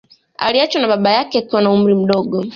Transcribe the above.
Aliachwa na baba yake akiwa na umri mdogo